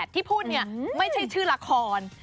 ที่พูดไม่ใช่ชื่อละคร